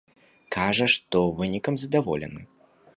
Кажа, што вынікам задаволены.